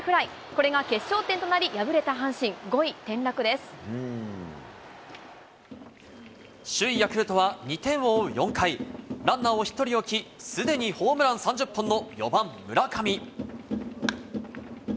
これが決勝点となり、首位ヤクルトは２点を追う４回、ランナーを１人置き、すでにホームラン３０本の４番村上。